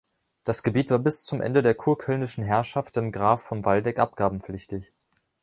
Das Gebiet war bis zum Ende der kurkölnischen Herrschaft dem Graf von Waldeck abgabenpflichtig.